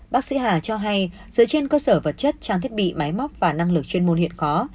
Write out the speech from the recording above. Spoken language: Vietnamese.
bác sĩ hà cho hay dựa trên cơ sở vật chất trang thiết bị máy móc và năng lực chuyên môn hiện có